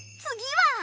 次は？